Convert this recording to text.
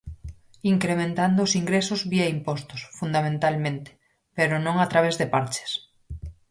Incrementando os ingresos vía impostos, fundamentalmente, pero non a través de parches.